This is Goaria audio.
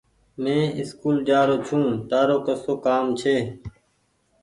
مينٚ اسڪول جآرو ڇوٚنٚ تآرو ڪسو ڪآم ڇي